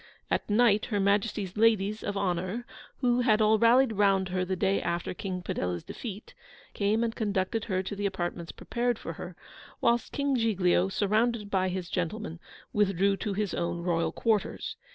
At night, Her Majesty's ladies of honour (who had all rallied round her the day after King Padella's defeat) came and conducted her to the apartments prepared for her; whilst King Giglio, surrounded by his gentlemen, withdrew to his own Royal quarters.